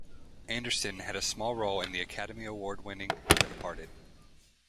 Anderson had a small role in the Academy Award-winning "The Departed".